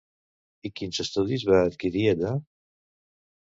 I quins estudis va adquirir allà?